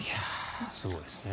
すごいですね。